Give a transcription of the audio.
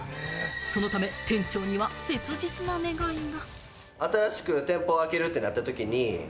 そのため店長には切実な願いが。